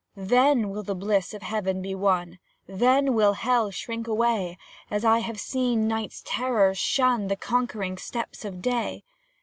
Then will the bliss of Heaven be won; Then will Hell shrink away, As I have seen night's terrors shun The conquering steps of day.